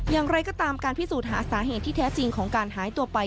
อย่างไรก็ตามการพิสูจน์หาสาเหตุที่แท้จริงของการหายตัวไป